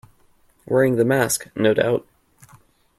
Wearing the mask, no doubt.